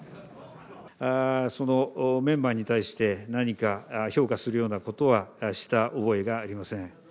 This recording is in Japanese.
そのメンバーに対して、何か評価するようなことは、した覚えがありません。